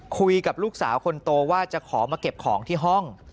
คุยกับลูกสาวคนโตว่าจะขอมาเก็บของที่ห้อง